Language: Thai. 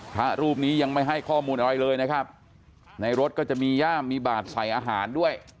พระรูปนี้ยังไม่ให้ข้อมูลอะไรเลยนะครับในรถก็จะมีย่ามมีบาดใส่อาหารด้วย